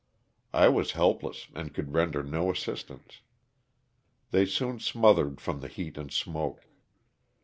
I was helpless and could render no assistance. They soon smothered from the heat and smoke.